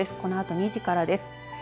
このあと２時からです。